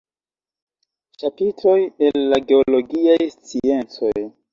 Ĉapitroj el la geologiaj sciencoj".